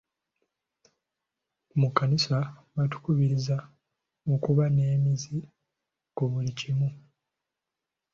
Mu kkanisa batukubiriza okuba n’emmizi ku buli kimu.